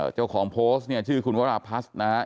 เจ้าของโพสต์ชื่อคุณวราพัสนะครับ